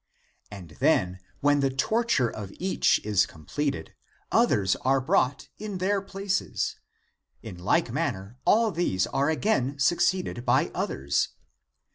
And then (when the torture of each is completed) others are brought in their places ; in like manner all these are again succeeded by others.